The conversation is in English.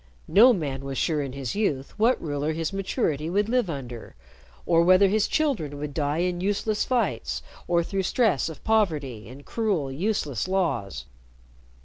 No man was sure in his youth what ruler his maturity would live under, or whether his children would die in useless fights, or through stress of poverty and cruel, useless laws.